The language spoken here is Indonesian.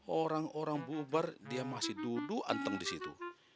orang orang bubar dia masih duduk anteng di situ